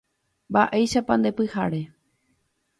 Mba'éichapa ndepyhare.